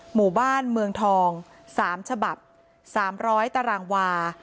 หมู่บ้านเมืองทอง๓ฉบับ๓๐๐ตารางวา